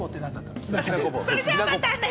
それじゃあ、またね！